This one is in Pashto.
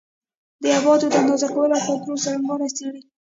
د ابعادو د اندازه کولو او کنټرول څرنګوالي څېړي.